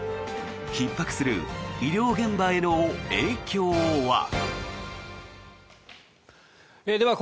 ひっ迫する医療現場への影響は。